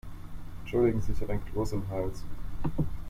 Entschuldigen Sie, ich habe einen Kloß im Hals.